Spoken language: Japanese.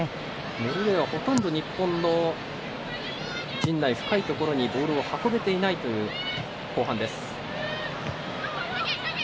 ノルウェーはほとんど日本の陣内深いところに、ボールを運べていないという後半。